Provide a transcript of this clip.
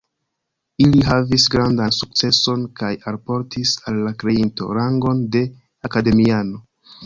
Ili havis grandan sukceson kaj alportis al la kreinto rangon de akademiano.